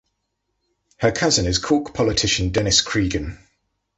Her cousin is Cork politician Denis Cregan.